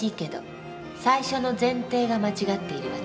最初の前提が間違っているわね。